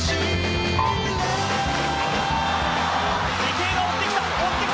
池江が追ってきた！